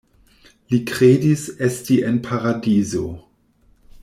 Li kredis esti en paradizo.